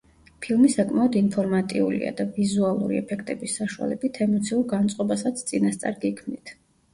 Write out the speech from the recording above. ფილმი საკმოდ ინფორმატიულია და ვიზუალური ეფექტების საშუალებით ემოციურ განწყობასაც წინასწარ გიქმნით.